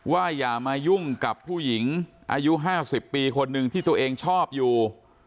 อย่ามายุ่งกับผู้หญิงอายุ๕๐ปีคนหนึ่งที่ตัวเองชอบอยู่